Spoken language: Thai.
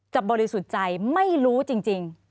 บริสุทธิ์ใจไม่รู้จริง